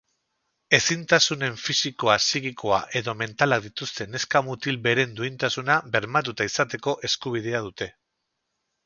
Ezintasunen fisikoa, psikikoa edo mentalak dituzten neska-mutil beren duintasuna bermatuta izateko eskubidea dute.